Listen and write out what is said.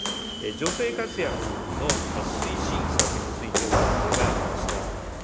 女性活躍の推進策についてお尋ねがありました。